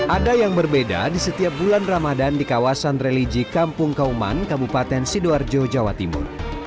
ada yang berbeda di setiap bulan ramadan di kawasan religi kampung kauman kabupaten sidoarjo jawa timur